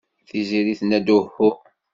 Tiziri tenna-d uhu.